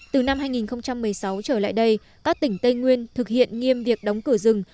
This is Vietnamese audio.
từ năm hai nghìn một mươi sáu trở lại đây các tỉnh tây nguyên thực hiện nghiêm việc đóng cửa rừng